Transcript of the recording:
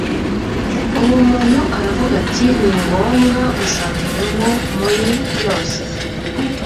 uwo muntu aravuga ati ni ngombwa gushaka inyungu muri byose